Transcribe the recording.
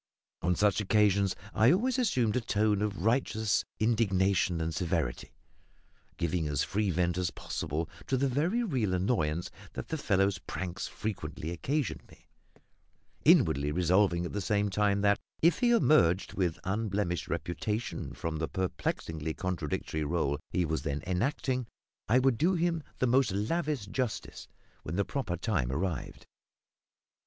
On such occasions I always assumed a tone of righteous indignation and severity, giving as free vent as possible to the very real annoyance that the fellow's pranks frequently occasioned me; inwardly resolving at the same time that, if he emerged with unblemished reputation from the perplexingly contradictory role he was then enacting, I would do him the most lavish justice when the proper time arrived.